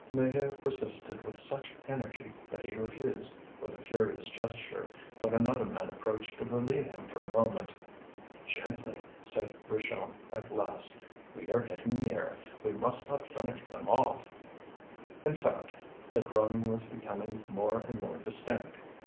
Maheu persisted with such energy that he refused, with a furious gesture, when another man approached to relieve him for a moment. "Gently!" said Richomme at last, "we are getting near. We must not finish them off." In fact the groaning was becoming more and more distinct.